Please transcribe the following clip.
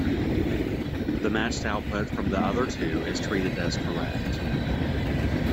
The matched output from the other two is treated as correct.